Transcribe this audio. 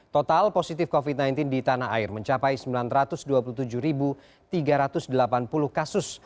total positif covid sembilan belas di tanah air mencapai sembilan ratus dua puluh tujuh tiga ratus delapan puluh kasus